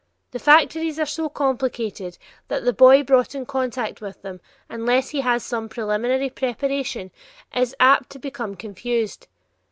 The factories are so complicated that the boy brought in contact with them, unless he has some preliminary preparation, is apt to become confused.